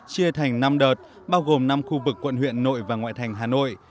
chia thành năm đợt bao gồm năm khu vực quận huyện nội và ngoại thành hà nội